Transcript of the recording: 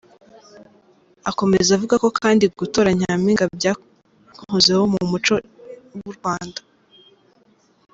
Akomeza avuga ko kandi gutora Nyampinga byahozeho mu muco w’u Rwanda.